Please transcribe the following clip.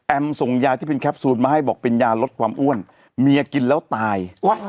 ส่งยาที่เป็นแคปซูลมาให้บอกเป็นยาลดความอ้วนเมียกินแล้วตาย